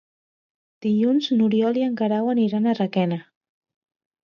Dilluns n'Oriol i en Guerau aniran a Requena.